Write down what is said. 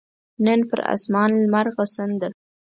نن پر اسمان لمرغسن ده